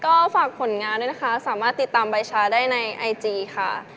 ก็ฝากผลงานด้วยนะคะสามารถติดตามใบชาได้ในไอจีค่ะ